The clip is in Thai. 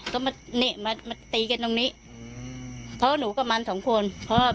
ก็มานี่มามาตีกันตรงนี้เพราะหนูกับมันสองคนเพราะว่า